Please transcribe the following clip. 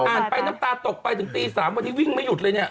ไปน้ำตาตกไปถึงตี๓วันนี้วิ่งไม่หยุดเลยเนี่ย